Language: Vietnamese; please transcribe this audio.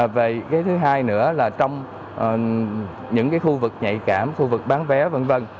về cái thứ hai nữa là trong những khu vực nhạy cảm khu vực bán vé v v